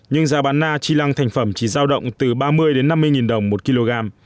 nhưng giá bán na tri lăng thành phẩm chỉ giao động từ ba mươi năm mươi đồng một kg